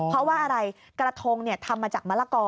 เพราะว่าอะไรกระทงทำมาจากมะละกอ